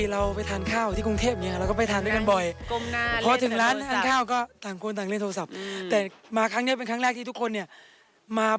เรากำลังจยังบ้างเร้กเด้อวะ